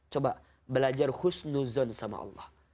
coba belajar khusnuzon sama allah